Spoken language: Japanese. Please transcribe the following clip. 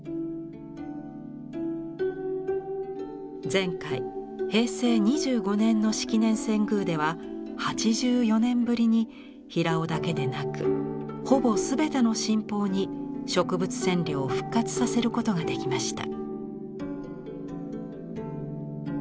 前回平成２５年の式年遷宮では８４年ぶりに平緒だけでなくほぼすべての神宝に植物染料を復活させることができました。